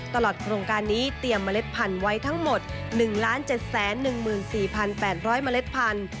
โครงการนี้เตรียมเมล็ดพันธุ์ไว้ทั้งหมด๑๗๑๔๘๐๐เมล็ดพันธุ